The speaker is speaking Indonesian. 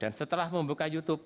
dan setelah membuka youtube